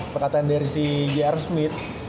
perkataan dari si g r smith